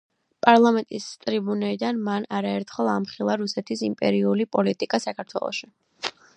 პარლამენტის ტრიბუნიდან მან არაერთხელ ამხილა რუსეთის იმპერიული პოლიტიკა საქართველოში.